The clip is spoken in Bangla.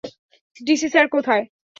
ডিসি স্যার কোথায়?